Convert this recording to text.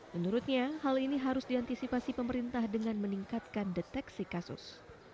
menurutnya hal ini harus diantisipasi pemerintah dengan meningkatkan deteksi kasus